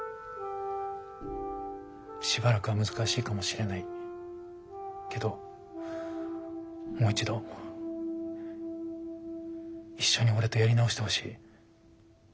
しばらくは難しいかもしれないけどもう一度一緒に俺とやり直してほしい。